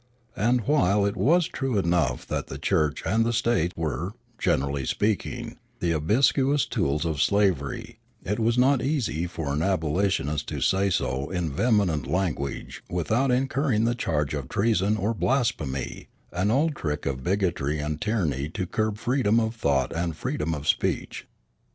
And, while it was true enough that the Church and the State were, generally speaking, the obsequious tools of slavery, it was not easy for an abolitionist to say so in vehement language without incurring the charge of treason or blasphemy, an old trick of bigotry and tyranny to curb freedom of thought and freedom of speech.